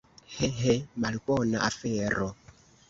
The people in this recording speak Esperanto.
He, he, malbona afero!